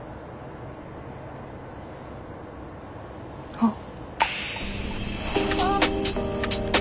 あっ。